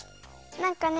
なんかね